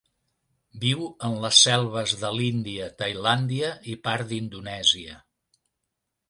Viu en les selves de l'Índia, Tailàndia i part d'Indonèsia.